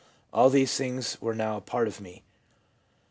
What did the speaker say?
All these things were now a part of me.'